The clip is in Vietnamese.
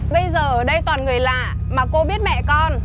bây giờ ở đây toàn người lạ mà cô biết mẹ con